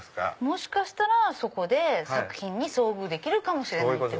もしかしたらそこで作品に遭遇できるかもしれない。